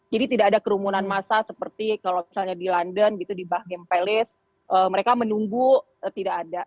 jadi tidak ada kerumunan masa seperti kalau misalnya di london gitu di buckingham palace mereka menunggu tidak ada